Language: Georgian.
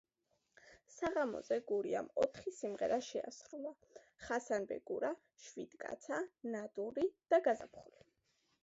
საღამოზე „გურიამ“ ოთხი სიმღერა შეასრულა: „ხასანბეგურა“, „შვიდკაცა“, „ნადური“ და „გაზაფხული“.